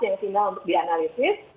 yang tinggal dianalisis